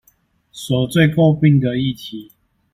所最詬病的議題